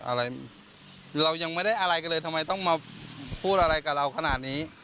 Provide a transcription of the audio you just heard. อะไรเรายังไม่ได้อะไรกันเลยทำไมต้องมาพูดอะไรกับเราขนาดนี้